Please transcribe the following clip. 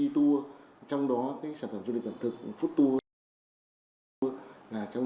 tạo thành điểm nhấn chung